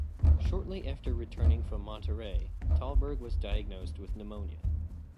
Shortly after returning from Monterey, Thalberg was diagnosed with pneumonia.